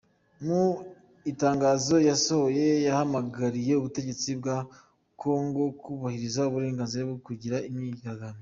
Mu itangazo yasohoye, yahamagariye ubutegetsi bwa Kongo kubahiriza uburenganzia bwo kugira imyigaragambyo.